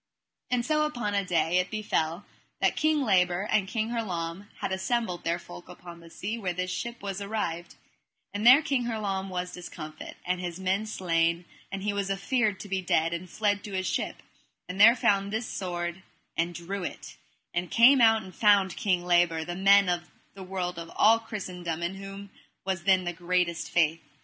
And so upon a day it befell that King Labor and King Hurlame had assembled their folk upon the sea where this ship was arrived; and there King Hurlame was discomfit, and his men slain; and he was afeard to be dead, and fled to his ship, and there found this sword and drew it, and came out and found King Labor, the man in the world of all Christendom in whom was then the greatest faith.